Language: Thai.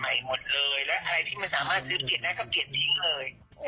และอะไรที่มันสามารถซื้อเสียดได้ก็เปลี่ยนทิ้งเลย